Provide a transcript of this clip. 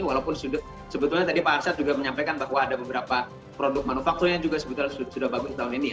walaupun sebetulnya tadi pak arsad juga menyampaikan bahwa ada beberapa produk manufakturnya juga sebetulnya sudah bagus tahun ini